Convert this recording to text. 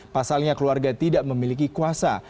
pasalnya keluarga tidak memiliki kuasa